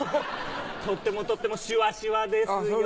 とってもとってもシュワシュワですよ。